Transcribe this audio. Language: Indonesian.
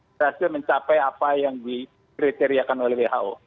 berhasil mencapai apa yang dikriteriakan oleh who